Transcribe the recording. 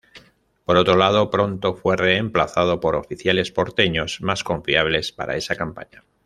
Por otro lado, pronto fue reemplazado por oficiales porteños, más confiables para esa campaña.